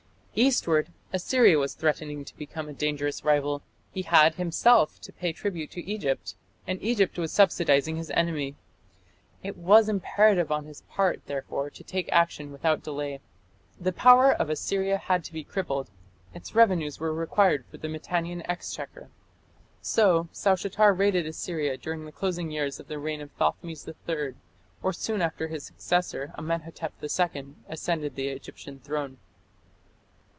Eastward, Assyria was threatening to become a dangerous rival. He had himself to pay tribute to Egypt, and Egypt was subsidizing his enemy. It was imperative on his part, therefore, to take action without delay. The power of Assyria had to be crippled; its revenues were required for the Mitannian exchequer. So Saushatar raided Assyria during the closing years of the reign of Thothmes III, or soon after his successor, Amenhotep II, ascended the Egyptian throne.